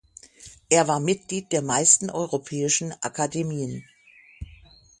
Er war Mitglied der meisten europäischen Akademien.